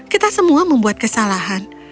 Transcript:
kita semua membuat kesalahan